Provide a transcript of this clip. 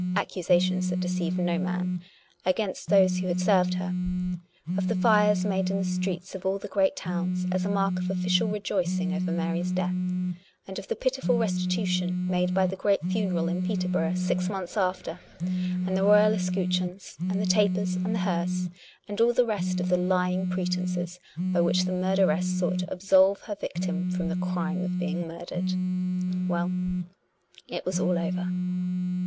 367 (accusations that deceived no man) against those who had served her; of the fires made in the streets of all great towns as a mark of official rejoicing over Mary's death; and of the pitiful restitution made by the great funeral in Peterborough, six months after, and the royal escutcheons and the tapers and the hearse, and all the rest of the lying pretences by which the murderess sought to absolve her vic tim from the crime of being murdered. Well; it was all over.